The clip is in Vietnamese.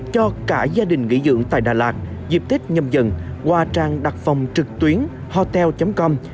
cho cả gia đình nghỉ dưỡng tại đà lạt dịp tết nhâm dần qua trang đặt phòng trực tuyến hotel com